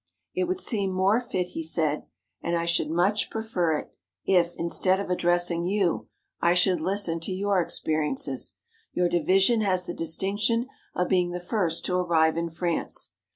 "It would seem more fit," he said, "and I should much prefer it, if, instead of addressing you, I should listen to your experiences. Your division has the distinction of being the first to arrive in France.